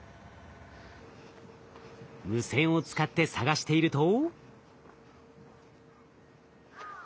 無線を使って探していると。